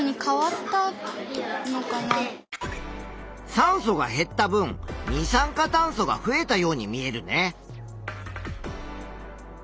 酸素が減った分二酸化炭素が増えたように見えるね。